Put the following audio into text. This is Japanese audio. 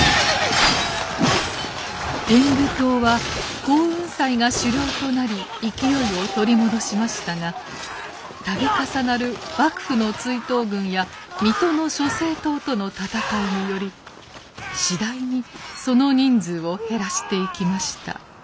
天狗党は耕雲斎が首領となり勢いを取り戻しましたが度重なる幕府の追討軍や水戸の諸生党との戦いにより次第にその人数を減らしていきました。